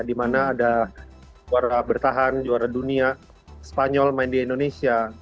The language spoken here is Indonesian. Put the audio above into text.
di mana ada juara bertahan juara dunia spanyol main di indonesia